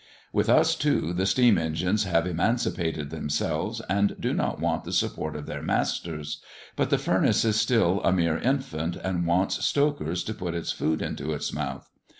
With us, too, the steam engines have emancipated themselves, and do not want the support of their masters; but the furnace is still a mere infant, and wants stokers to put its food into its mouth.